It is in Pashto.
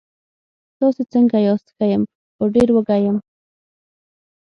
تاسې څنګه یاست؟ ښه یم، خو ډېر وږی یم.